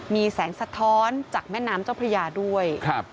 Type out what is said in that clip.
มีแสงสะท้อนจากแม่น้ำเจ้าพระยาด้วยครับ